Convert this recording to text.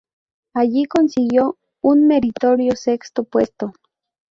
Allí consiguió un meritorio sexto puesto.